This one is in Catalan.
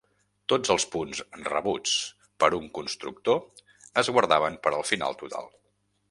Tots els punts rebuts per un constructor es guardaven per al final total.